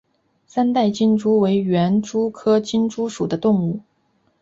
三带金蛛为园蛛科金蛛属的动物。